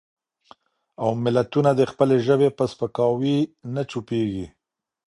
او ملتونه د خپلې ژبې په سپکاوي نه چوپېږي.